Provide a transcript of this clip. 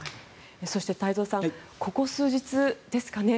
そして、太蔵さんここ数日ですかね。